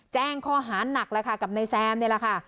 แจ้งข้อหาหนักแล้วค่ะกับนายแซมนี่แหละค่ะ